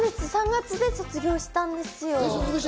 ３月で卒業したんですよ。